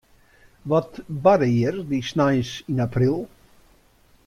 Wat barde hjir dy sneins yn april?